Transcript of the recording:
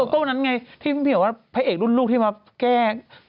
ก็วันนั้นไงที่พี่บอกว่าพระเอกรุ่นลูกที่มาแก้